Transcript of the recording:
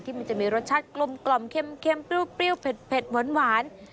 มันจะมีรสชาติกลมเค็มเปรี้ยวเผ็ดหวาน